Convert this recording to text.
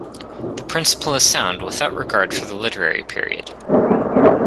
The principle is sound without regard for the literary period.